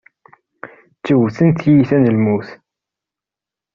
Ttewten tiyita n lmut.